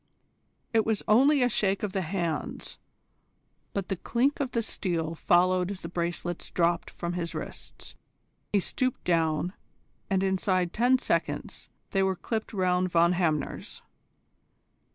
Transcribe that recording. It was only a shake of the hands, but the clink of the steel followed as the bracelets dropped from his wrists. He stooped down, and inside ten seconds they were clipped round Von Hamner's.